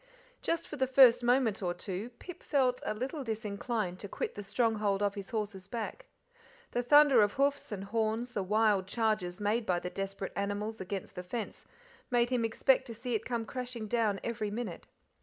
Just for the first moment or two Pip felt a little disinclined to quit the stronghold of his horse's back. The thunder of hoofs and horns, the wild charges made by the desperate animals against the fence, made him expect to see it come crashing down every minute.